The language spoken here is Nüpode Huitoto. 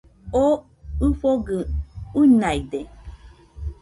Oo ɨfogɨ uinaide